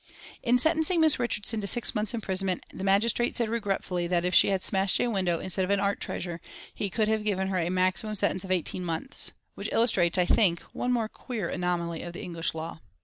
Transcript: In sentencing Miss Richardson to six month's imprisonment the Magistrate said regretfully that if she had smashed a window instead of an art treasure he could have given her a maximum sentence of eighteen months, which illustrates, I think, one more queer anomaly of English law.